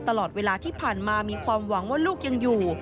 ตลอดเวลาที่ผ่านมามีความหวังว่าลูกยังอยู่